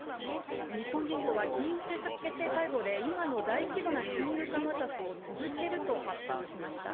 日本銀行は金融政策決定会合で、今の大規模な金融緩和策を続けると発表しました。